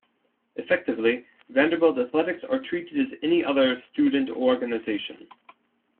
Effectively, Vanderbilt athletics are treated as any other student organization.